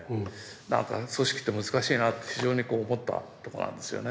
なんか組織って難しいなぁって非常にこう思ったとこなんですよね。